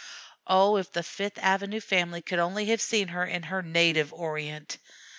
Oh, if the Fifth Avenue family could only have seen her in her native Orient!